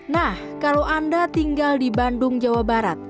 nah kalau anda tinggal di bandung jawa barat